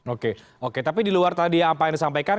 oke oke tapi di luar tadi apa yang disampaikan